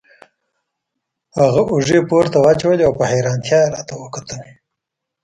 هغه اوږې پورته واچولې او په حیرانتیا یې راته وکتل.